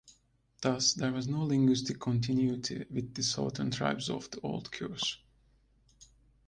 Thus, there was no linguistic continuity with the southern tribes of the old cures.